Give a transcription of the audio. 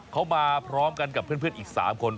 เขามาพร้อมกันกับเพื่อนอีก๓คน